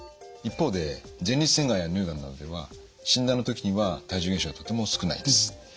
一方で前立腺がんや乳がんなどでは診断の時には体重減少はとても少ないです。